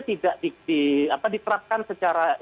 tidak diterapkan secara